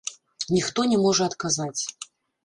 Ніхто не можа адказаць.